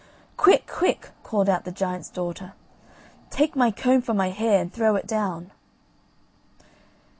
"Quick, quick," called out the giant's daughter, "take my comb from my hair and throw it down."